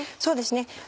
そうですね。